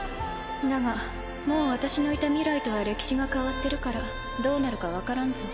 だがもう私のいた未来とは歴史が変わってるからどうなるか分からんぞ。